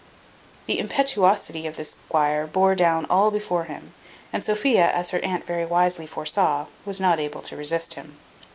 The impetuosity of the squire bore down all before him; and Sophia, as her aunt very wisely foresaw, was not able to resist him.